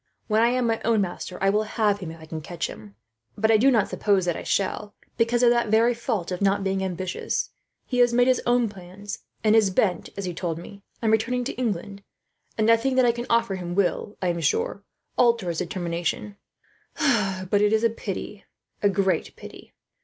When I am my own master I will have him, if I can catch him; but I do not suppose that I shall, because of that very fault of not being ambitious. He has made his own plans, and is bent, as he told me, on returning to England; and nothing that I can offer him will, I am sure, alter his determination. But it is a pity, a great pity.'